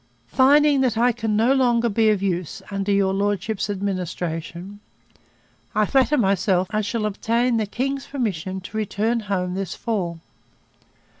'Finding that I can no longer be of use, under your Lordship's administration ... I flatter myself I shall obtain the king's permission to return home this fall.